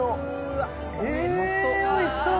おいしそう。